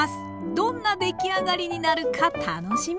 どんなできあがりになるか楽しみ！